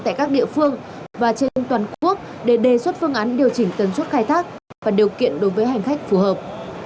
tại các địa phương và trên toàn quốc để đề xuất phương án điều chỉnh tần suất khai thác và điều kiện đối với hành khách phù hợp